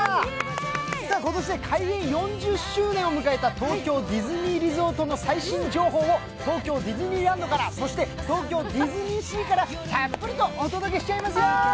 今年で開園４０周年を迎えた東京ディズニーリゾートの最新情報を東京ディズニーランドから、そして東京ディズニーシーからたっぷりとお届けしちゃいますよ。